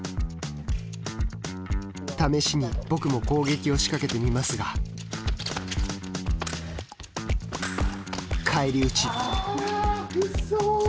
試しに僕も攻撃を仕掛けてみますが返り討ち。